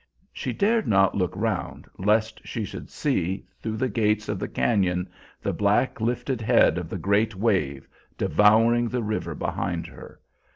She dared not look round lest she should see, through the gates of the cañon, the black lifted head of the great wave, devouring the river behind her.